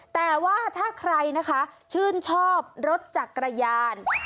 แต่ว่าถ้าใครนะคะชื่นชอบรถจักรยาน